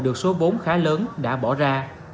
được số bốn khá lớn đã bỏ ra